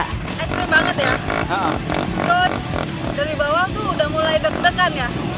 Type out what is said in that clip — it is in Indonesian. terus dari bawah itu sudah mulai deg degan ya